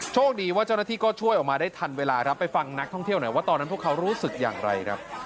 โชคดีว่าเจ้าหน้าที่ก็ช่วยออกมาได้ทันเวลาครับไปฟังนักท่องเที่ยวหน่อยว่าตอนนั้นพวกเขารู้สึกอย่างไรครับ